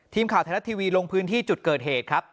ทีมข่าวไทยรัฐทีวีลงพื้นที่จุดเกิดเหตุครับ